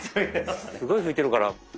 すごい拭いてるから。